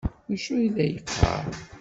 D acu ay la yeqqar?